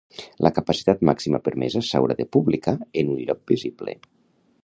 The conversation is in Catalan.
La capacitat màxima permesa s’haurà de publicar en un lloc visible.